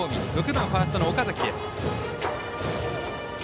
６番ファーストの岡崎です。